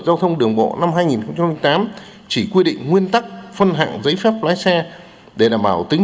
giao thông đường bộ năm hai nghìn tám chỉ quy định nguyên tắc phân hạng giấy phép lái xe để đảm bảo tính